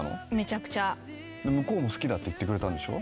向こうも好きだって言ってくれたんでしょ？